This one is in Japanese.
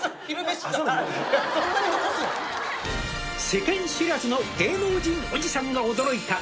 「世間知らずの芸能人おじさんが驚いた」